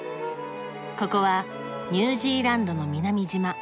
ここはニュージーランドの南島。